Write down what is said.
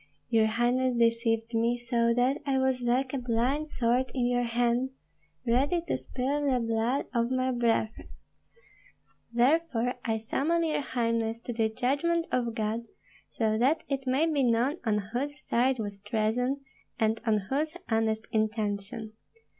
Your highness deceived me, so that I was like a blind sword in your hand, ready to spill the blood of my brethren. Therefore I summon your highness to the judgment of God, so that it may be known on whose side was treason, and on whose honest intention.